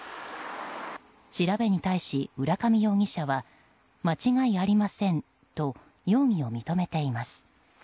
調べに対し、浦上容疑者は間違いありませんと容疑を認めています。